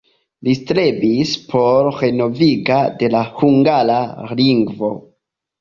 Li strebis por renovigo de la hungara lingvo.